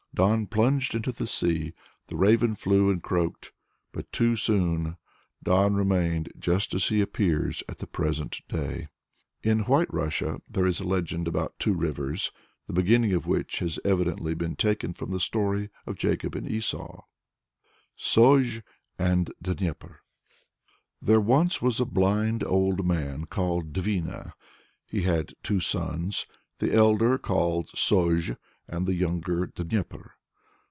Don plunged into the sea. The raven flew and croaked but too soon. Don remained just as he appears at the present day. In White Russia there is a legend about two rivers, the beginning of which has evidently been taken from the story of Jacob and Esau: SOZH AND DNIEPER. There was once a blind old man called Dvina. He had two sons the elder called Sozh, and the younger Dnieper.